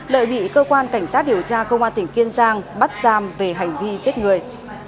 lợi bị cơ quan cảnh sát điều tra công an tỉnh kiên giang bắt giam về hành vi giết người